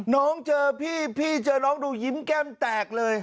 น้องเจอพี่พี่เจอน้องดูยิ้มแก้มแตกเลย